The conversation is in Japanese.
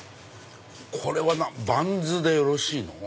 これはバンズでよろしいの？